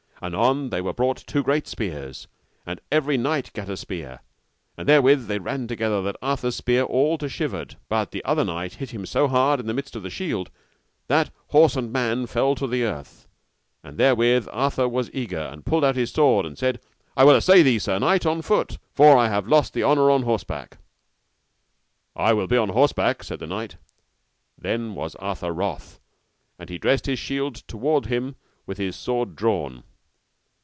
Anon there were brought two great spears, and every knight gat a spear, and therewith they ran together that Arthur's spear all to shivered. But the other knight hit him so hard in midst of the shield, that horse and man fell to the earth, and therewith Arthur was eager, and pulled out his sword, and said, I will assay thee, sir knight, on foot, for I have lost the honour on horseback. I will be on horseback, said the knight. Then was Arthur wroth, and dressed his shield toward him with his sword drawn.